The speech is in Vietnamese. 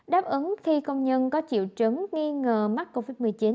đáp ứng khi công nhân có triệu chứng nghi ngờ mắc covid một mươi chín